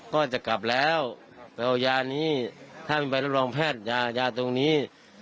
ก็จะกลับแล้วไปเอายานี้ถ้ามีใบรับรองแพทย์ยายาตรงนี้